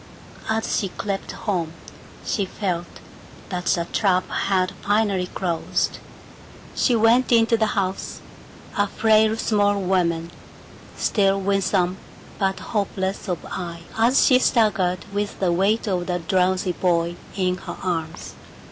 As she crept home she felt that the trap had finally closed. She went into the house, a frail small woman, still winsome but hopeless of eye as she staggered with the weight of the drowsy boy in her arms.